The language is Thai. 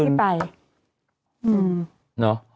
เออ